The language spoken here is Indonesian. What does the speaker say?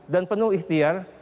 dan penuh ikhtiar